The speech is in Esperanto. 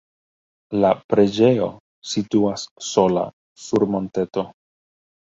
La preĝejo situas sola sur monteto.